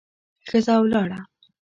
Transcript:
ښځه ولاړه.